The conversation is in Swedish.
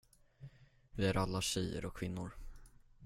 Vi är alla tjejer och kvinnor.